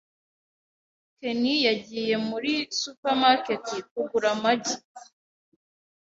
Ken yagiye muri supermarket kugura amagi.